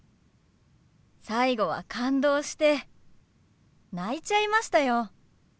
最後は感動して泣いちゃいましたよ。